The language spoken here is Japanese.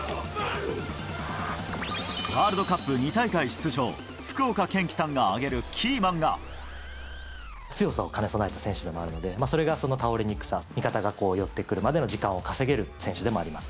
ワールドカップ２大会出場、強さを兼ね備えた選手でもあるので、それがその倒れにくさ、味方が寄ってくるまでの時間を稼げる選手でもあります。